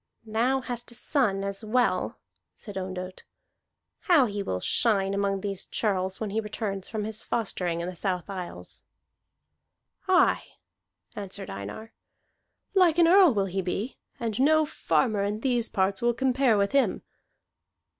"Thou hast a son as well," said Ondott. "How he will shine among these churls when he returns from his fostering in the South Isles!" "Aye," answered Einar. "Like an Earl will he be, and no farmer of these parts will compare with him."